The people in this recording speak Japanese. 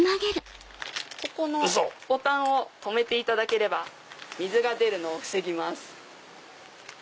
ここのボタンを留めていただければ水が出るのを防ぎます。